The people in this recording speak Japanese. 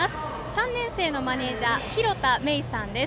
３年生のマネージャー広田芽衣さんです。